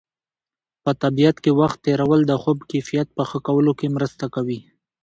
په طبیعت کې وخت تېرول د خوب کیفیت په ښه کولو کې مرسته کوي.